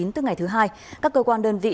từ ngày thứ hai các cơ quan đơn vị